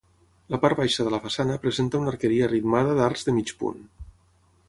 La part baixa de la façana presenta una arqueria ritmada d'arcs de mig punt.